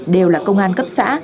đều là công an cấp xã